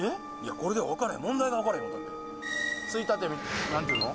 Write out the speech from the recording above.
これではわからへん問題がわかれへんもんだってついたて何ていうの？